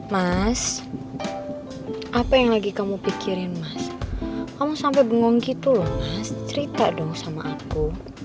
mas apa yang lagi kamu pikirin mas kamu sampai bengong gitu loh mas cerita dong sama aku